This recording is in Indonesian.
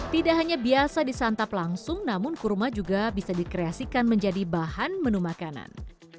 tidak hanya biasa disantap langsung namun kurma juga bisa dikreasikan menjadi bahan menu makanan